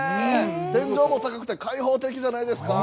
天井も高くて開放的じゃないです